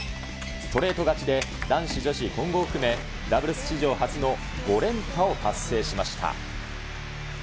ストレート勝ちで、男子女子混合を含め、ダブルス史上初の５連覇を達成しました。